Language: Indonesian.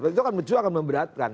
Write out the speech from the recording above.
itu kan mencuat akan memberatkan